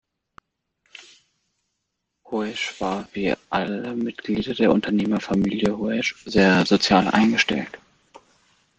Hoesch war, wie alle Mitglieder der Unternehmerfamilie Hoesch, sehr sozial eingestellt.